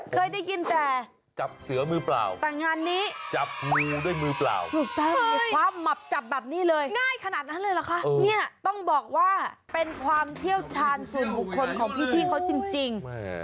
ขนาดนั้นเลยเหรอคะเนี่ยต้องบอกว่าเป็นความเชี่ยวชาญสูงบุคคลของพี่พี่เขาจริง